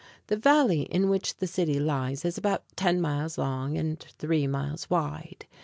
The valley in which the city lies is about ten miles long and three miles wide.